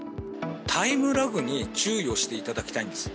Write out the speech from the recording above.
タイムラグに注意をしていただきたいんです。